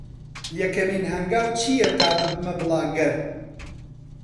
یەکەمین هەنگاو چییە تا ببمە بڵاگەر؟